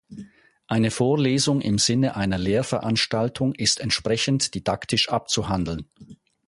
Eine Vorlesung im Sinne einer Lehrveranstaltung ist entsprechend didaktisch abzuhandeln.